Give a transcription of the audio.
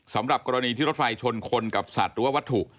สำหรับกรณีที่รถไฟชนคนกับสัตว์หรือว่าวัตถุ